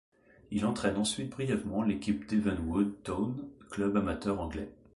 Il entraîne ensuite brièvement l'équipe d'Evenwood Town, club amateur anglais.